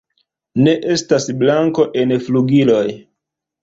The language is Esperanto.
Ne estas blanko en flugiloj.